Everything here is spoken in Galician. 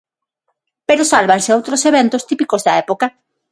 Pero sálvanse outros eventos típicos da época.